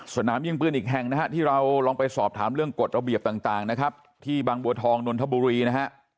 สนามยิงปืนอีกแห่งนะฮะที่เราลองไปสอบถามเรื่องกฎระเบียบต่างนะครับที่บางบัวทองนนทบุรีนะฮะ